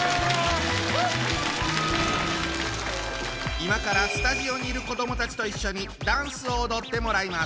今からスタジオにいる子どもたちと一緒にダンスをおどってもらいます。